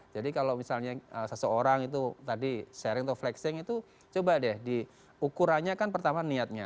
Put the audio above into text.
jadi kalau misalnya seseorang itu tadi sharing atau flexing itu coba deh diukurannya kan pertama niatnya